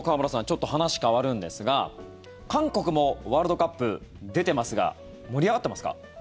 ちょっと話変わるんですが韓国もワールドカップ出てますが盛り上がってますか？